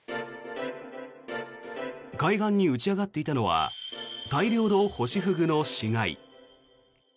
海岸に打ち上がっていたのは大量のホシフグの死骸。